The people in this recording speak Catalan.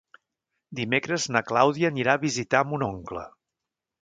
Dimecres na Clàudia anirà a visitar mon oncle.